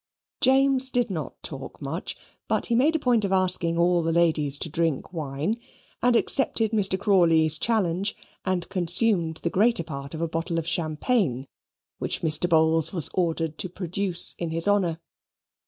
James did not talk much, but he made a point of asking all the ladies to drink wine, and accepted Mr. Crawley's challenge, and consumed the greater part of a bottle of champagne which Mr. Bowls was ordered to produce in his honour.